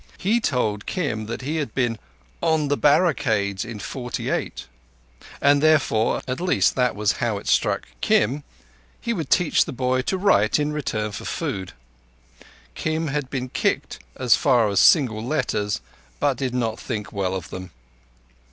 He told Kim that he had been "on the barricades in "Forty eight," and therefore—at least that was how it struck Kim—he would teach the boy to write in return for food. Kim had been kicked as far as single letters, but did not think well of them.